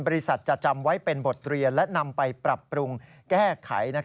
บริษัทจะจำไว้เป็นบทเรียนและนำไปปรับปรุงแก้ไข